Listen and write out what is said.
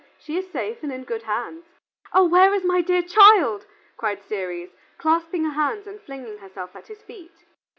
She is safe and in good hands." "Oh, where is my dear child?" cried Ceres, clasping her hands and flinging herself at his feet.